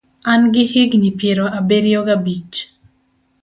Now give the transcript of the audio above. An gi higni piero abiriyo gabich.